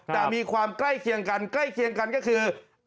แต่มีความใกล้เคียงกันใกล้เคียงกันก็คือ